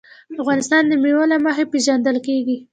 افغانستان د مېوې له مخې پېژندل کېږي.